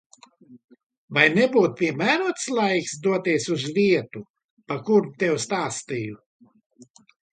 Vai nebūtu piemērots laiks doties uz vietu, par kuru tev stāstīju?